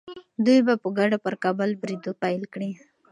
دوی به په ګډه پر کابل برید پیل کړي.